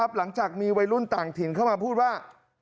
หลังจากมีวัยรุ่นต่างถิ่นเข้ามาพูดว่า